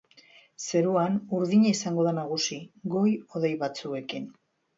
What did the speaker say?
Zeruan urdina izango da nagusi, goi-hodei batzuekin.